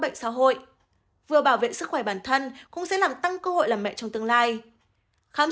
bệnh xã hội vừa bảo vệ sức khỏe bản thân cũng sẽ làm tăng cơ hội làm mẹ trong tương lai khám